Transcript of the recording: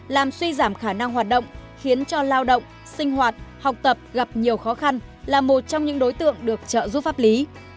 làm suy giảm khả năng hoạt động khiến cho lao động sinh hoạt học tập gặp nhiều khó khăn là một trong những đối tượng được trợ giúp pháp lý